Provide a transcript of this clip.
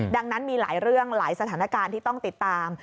ดังนั้นมีหลายเรื่องหลายสถานการณ์ที่ต้องติดตาม